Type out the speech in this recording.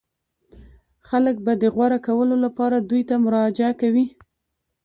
خلک به د غوره کولو لپاره دوی ته مراجعه کوي.